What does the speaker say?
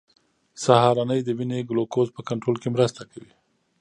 سهارنۍ د وینې ګلوکوز په کنټرول کې مرسته کوي.